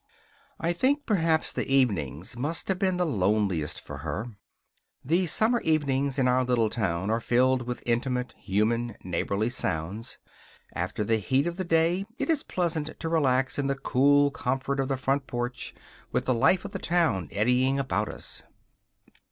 I think perhaps the evenings must have been the loneliest for her. The summer evenings in our little town are filled with intimate, human, neighborly sounds. After the heat of the day it is pleasant to relax in the cool comfort of the front porch, with the life of the town eddying about us.